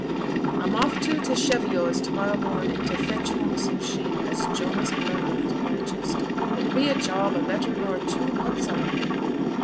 A'm off to t' Cheviots to morrow morn t' fetch home some sheep as Jonas Blundell has purchased. It'll be a job o' better nor two months a reckon.'